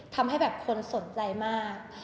ทำให้แบบคนสนใจมาก